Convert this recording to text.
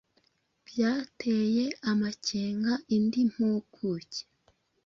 byateye amakenga indi mpuguke